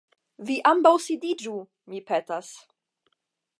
Vi ambaŭ sidiĝu, mi petas.